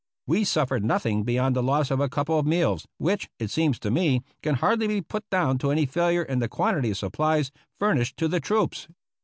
We suf fered nothing beyond the loss of a couple of meals, which, it seems to me, can hardly be put down to any failure in the quantity of supplies furnished to the troops.